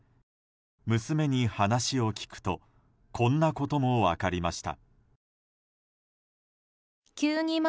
娘に話を聞くとこんなことも分かりました。